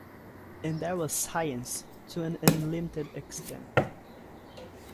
And there was science to an unlimited extent.